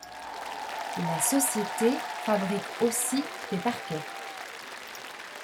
La société fabrique aussi des parquets.